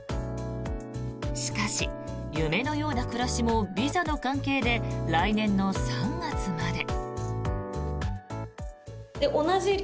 しかし、夢のような暮らしもビザの関係で来年の３月まで。